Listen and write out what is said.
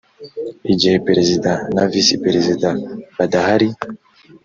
Igihe perezida na visi perezida badahari